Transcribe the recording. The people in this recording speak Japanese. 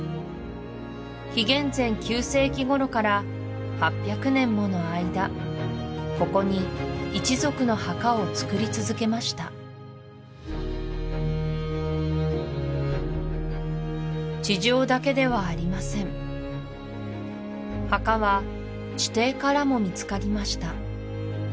紀元前９世紀頃から８００年もの間ここに一族の墓をつくり続けました地上だけではありません墓は地底からも見つかりました